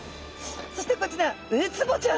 そしてこちらウツボちゃん。